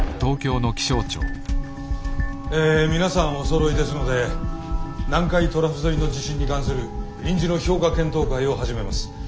え皆さんおそろいですので南海トラフ沿いの地震に関する臨時の評価検討会を始めます。